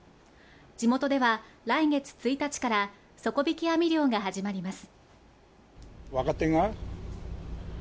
地元では来月１日から底引き網漁が始まります。